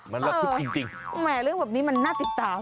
มันระทึกจริงแหมเรื่องแบบนี้มันน่าติดตาม